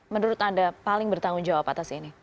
menurut anda paling bertanggung jawab atas ini